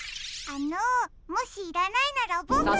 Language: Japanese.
あのもしいらないならボクが。